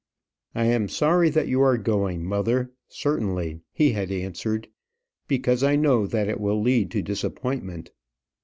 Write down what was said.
"I am sorry that you are going, mother, certainly," he had answered; "because I know that it will lead to disappointment."